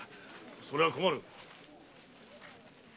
それは困る！